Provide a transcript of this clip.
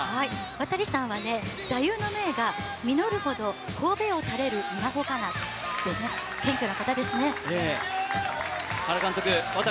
ワタリさんは座右の銘が実るほど頭を垂れる稲穂かな、謙虚な方ですね。